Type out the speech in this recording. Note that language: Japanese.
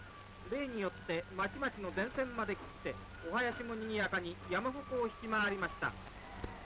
例によって町々の電線まで切ってお囃子もにぎやかに山鉾を引きまわりました。